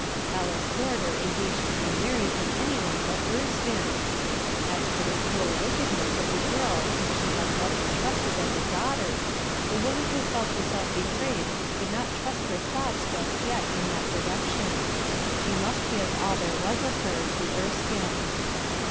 Alice Warder engaged to be married to any one but Erskine! As'for the cruel wickedness of the girl whom she had loved and trusted as a daughter, the woman who felt herself betrayed could not trust her thoughts just yet in that direction. She must give all there was of her to Erskine.